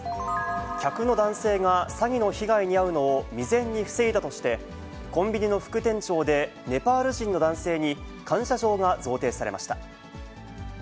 客の男性が詐欺の被害に遭うのを未然に防いだとして、コンビニの副店長でネパール人の男性に感謝状が贈呈されました。